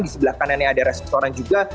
di sebelah kanannya ada restoran juga